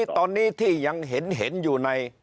ตอนนี้ที่ยังเห็นอยู่ใน